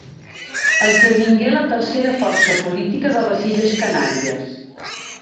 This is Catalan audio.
Esdevingué la tercera força política de les Illes Canàries.